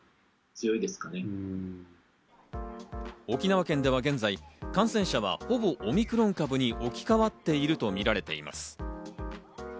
沖縄県では現在、感染者はほぼオミクロン株に置き変わっているとみられています。